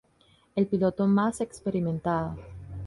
El piloto más experimentado.